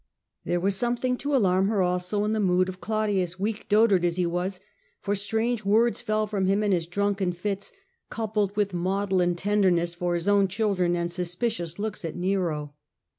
There was something to alarm her also in the mood of Claudius, Afraid of weak dotard as he was, for strange words and of delay fell from him in his drunken fits, coupled with maudlin tenderness for his own children and sus picious looks at Nero.